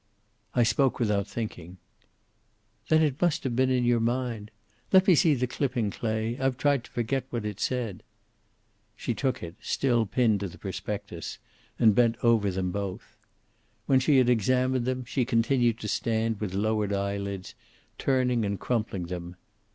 "I spoke without thinking." "Then it must have been in your mind. Let me see the clipping, Clay. I've tried to forget what it said." She took it, still pinned to the prospectus, and bent over them both. When she had examined them, she continued to stand with lowered eyelids, turning and crumpling them.